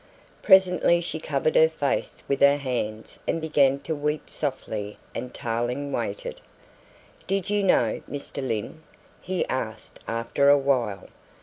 Presently she covered her face with her hands and began to weep softly and Tarling waited. "Did you know Mr. Lyne?" he asked after a while.